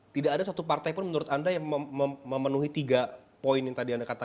tidak ada satu partai pun menurut anda yang memenuhi tiga poin yang tadi anda katakan